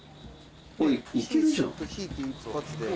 いけるじゃん。